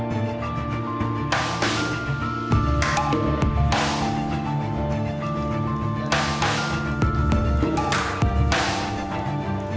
dalam memobilisasi deklarasi